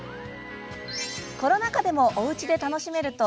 コロナ禍でもおうちで楽しめると